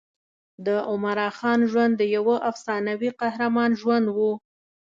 د عمراخان ژوند د یوه افسانوي قهرمان ژوند و.